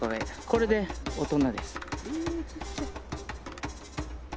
これで大人です。